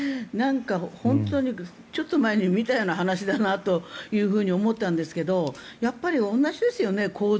本当にちょっと前に見たような話だなと思ったんですけどやっぱり、構図は同じですよね。